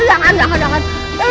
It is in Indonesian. jangan jangan jangan